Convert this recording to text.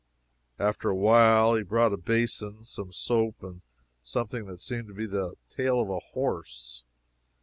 After a while he brought a basin, some soap, and something that seemed to be the tail of a horse.